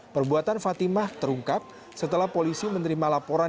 perbuatan fatimah terungkap setelah polisi menerima laporan